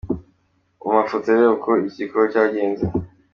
Mu mafoto reba uko iki gikorwa cyagenze.